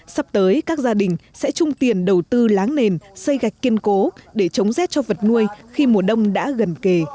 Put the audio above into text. sắp tới các gia đình sẽ chung tiền đầu tư láng nền xây gạch kiên cố để chống rét cho vật nuôi khi mùa đông đã gần kề